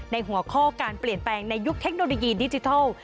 หัวข้อการเปลี่ยนแปลงในยุคเทคโนโลยีดิจิทัล